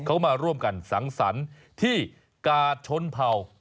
เขามาร่วมกันสังสรรค์ที่กาดชนเผ่า